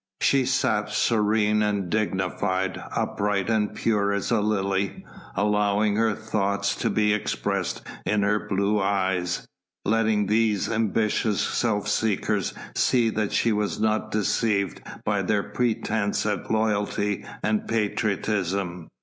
She sat serene and dignified, upright and pure as a lily, allowing her thoughts to be expressed in her blue eyes, letting these ambitious self seekers see that she was not deceived by their pretence at loyalty and patriotism.